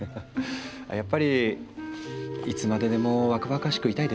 やっぱりいつまででも若々しくいたいですか？